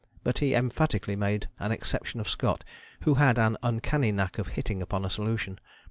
But he emphatically made an exception of Scott, who had an uncanny knack of hitting upon a solution.